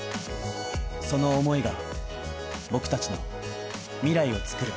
その思いが僕達の未来をつくる